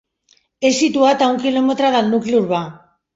És situat a un quilòmetre del nucli urbà.